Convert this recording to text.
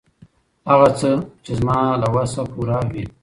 هغه څه، چې زما له وس پوره وي.